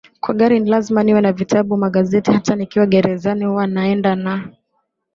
kwa gari ni lazima niwe na vitabu magazeti Hata nikiwa gerezani huwa naenda na